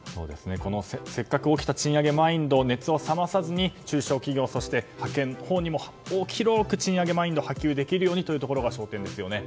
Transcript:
このせっかく起きた賃上げマインドを熱を冷まさずに中小企業、そして派遣のほうにも広く賃上げマインドを波及できるかどうかが焦点ですね。